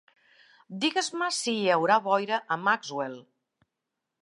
Digues-me si hi haurà boira a Maxwell